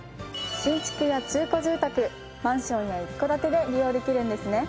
新築や中古住宅マンションや一戸建てで利用できるんですね。